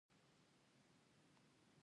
چنار ونه څومره سیوری کوي؟